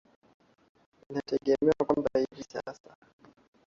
inategemewa kwamba sasa hivi